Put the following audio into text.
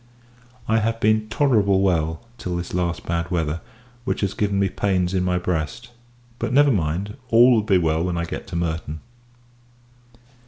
I have been tolerable well, till this last bad weather, which has given me pains in my breast; but, never mind, all will be well when I get to Merton.